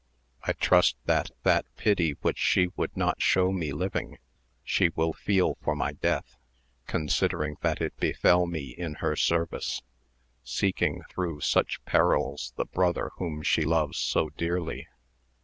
I trust that that pity which she would not show me living she will feel for my death, considering that it befell me in her service, seeking through such perils the brother .whom she loves so dearly.